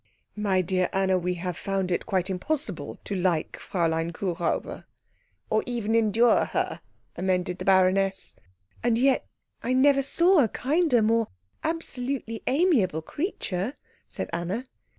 "My dear Anna, we have found it quite impossible to like Fräulein Kuhräuber." "Or even endure her," amended the baroness. "And yet I never saw a kinder, more absolutely amiable creature," said Anna.